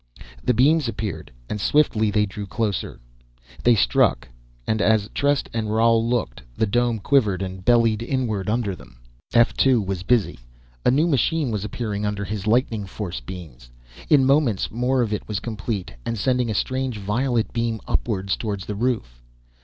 The beams appeared, and swiftly they drew closer. They struck, and as Trest and Roal looked, the dome quivered, and bellied inward under them. F 2 was busy. A new machine was appearing under his lightning force beams. In moments more it was complete, and sending a strange violet beam upwards toward the roof.